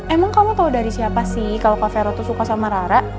emang kamu kalau dari siapa sih kalau kak vero itu suka sama rara